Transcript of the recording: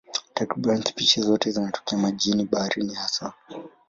Takriban spishi zote zinatokea majini, baharini hasa.